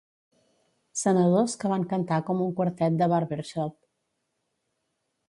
Senadors que van cantar com un quartet de barbershop.